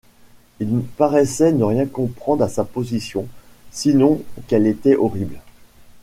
Il paraissait ne rien comprendre à sa position, sinon qu’elle était horrible.